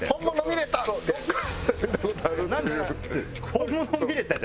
「本物見れた」じゃない。